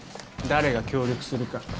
誰が協力するか。